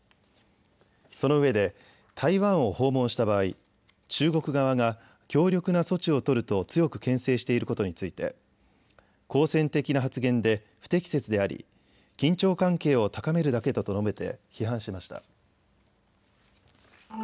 そのうえで台湾を訪問した場合、中国側が強力な措置を取ると強くけん制していることについて好戦的な発言で不適切であり緊張関係を高めるだけだと述べて批判しました。